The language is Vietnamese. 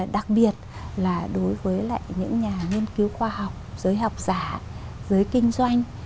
đặc biệt là đối với những nhà nghiên cứu khoa học giới học giả giới kinh doanh